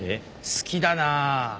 好きだなぁ。